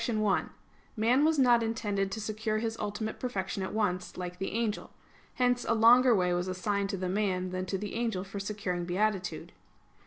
1: Man was not intended to secure his ultimate perfection at once, like the angel. Hence a longer way was assigned to man than to the angel for securing beatitude.